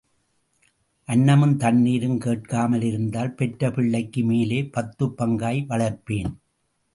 அன்னமும் தண்ணீரும் கேட்காமல் இருந்தால் பெற்ற பிள்ளைக்கு மேலே பத்துப் பங்காய் வளர்ப்பேன்.